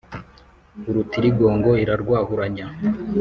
Urutirigongo irarwahuranya,